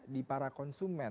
di para konsumen